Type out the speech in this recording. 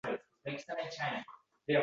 Yangi yo’lovchi uning yoniga kelib o’tirgan